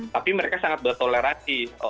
tapi mereka sangat bertoleransi